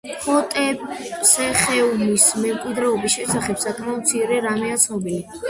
ჰოტეპსეხემუის მემკვიდრის შესახებ საკმაოდ მცირე რამეა ცნობილი.